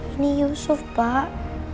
ini yusuf pak